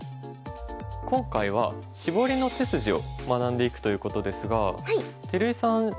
今回はシボリの手筋を学んでいくということですが照井さん